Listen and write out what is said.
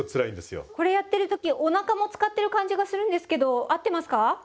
これやってる時おなかも使ってる感じがするんですけど合ってますか？